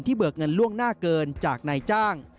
เบิกเงินล่วงหน้าเกินจากนายจ้าง